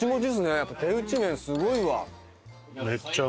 やっぱ手打ち麺すごいわ。